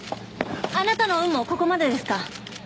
あなたの運もここまでですか？